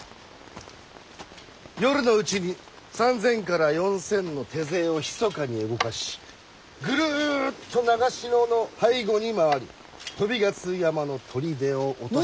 夜のうちに３，０００から４，０００の手勢をひそかに動かしぐるっと長篠の背後に回り鳶ヶ巣山の砦を落とし。